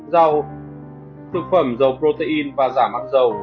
rau thực phẩm giàu protein và giảm áp dầu